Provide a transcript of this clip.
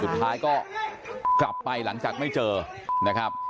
สุดท้ายก็กลับไปหลังจากไม่เจอนะครับ